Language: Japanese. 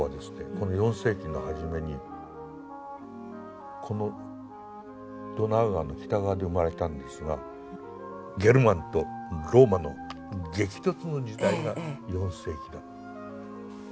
この４世紀の初めにこのドナウ川の北側で生まれたんですがゲルマンとローマの激突の時代が４世紀だった。